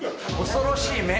恐ろしい目。